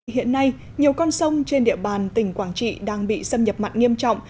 hiện nay nhiều con sông trên địa bàn tỉnh quảng trị đang bị xâm nhập mặn nghiêm trọng